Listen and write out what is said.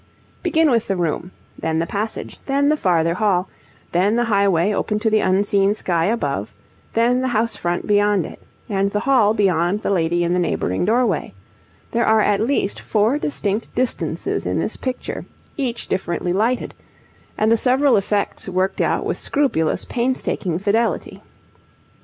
Begin with the room, then the passage, then the farther hall, then the highway open to the unseen sky above, then the house front beyond it, and the hall beyond the lady in the neighbouring doorway; there are at least four distinct distances in this picture each differently lighted, and the several effects worked out with scrupulous painstaking fidelity.